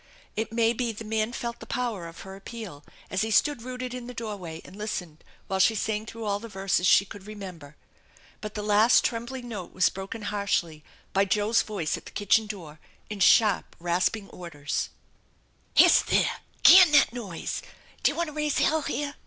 It may be the man felt the power of her appeal as he stood rooted in the doorway and listened while she sang through all the verses she could remember. But the last trembling note was broken harshly by Joe's voice at the kitchen door in sharp, rasping orders: te Hist, there ! Can that noise ! Do you want to raise hell here?